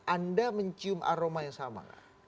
anda mencium aroma yang sama nggak